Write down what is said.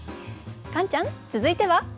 カンちゃん続いては？